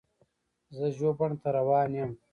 زه ژوبڼ ته روان یم.